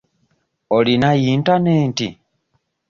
Olina yintanenti?